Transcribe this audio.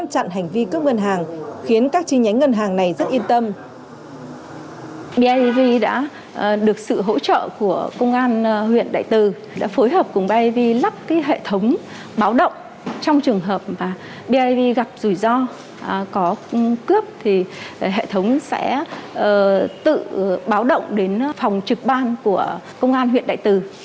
trong trường hợp mà biav gặp rủi ro có cướp thì hệ thống sẽ tự báo động đến phòng trực ban của công an huyện đại từ